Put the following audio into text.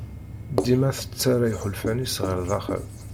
Dima tettarra iḥulfan-is ɣer daxel.